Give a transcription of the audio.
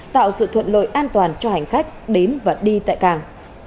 tạo sự thuận lợi an toàn cho hành khách đến và đi tại cảng